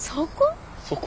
そこ？